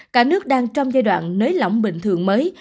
cả nước đang trong giai đoạn nới lỏng bình thường mới